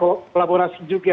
dan kolaborasi juga